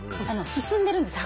進んでるんです